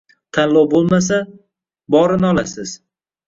Tanlov bo‘lmasa... borini olasiz.